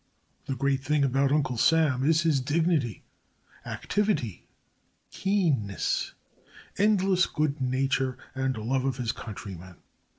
_ The great thing about Uncle Sam is his dignity, activity, keenness, endless good nature and love of his countrymen.